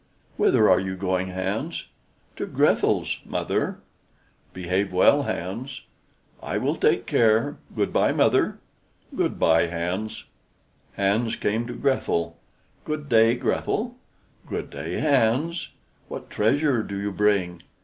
"Whither are you going, Hans?" "To Grethel's, mother." "Behave well, Hans." "I will take care; good by, mother." "Good by, Hans." Hans came to Grethel. "Good day, Grethel." "Good day, Hans. What treasure do you bring?"